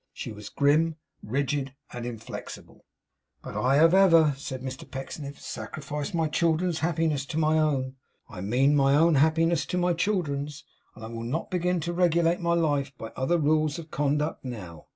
She was grim, rigid, and inflexible. 'But I have ever,' said Mr Pecksniff, 'sacrificed my children's happiness to my own I mean my own happiness to my children's and I will not begin to regulate my life by other rules of conduct now.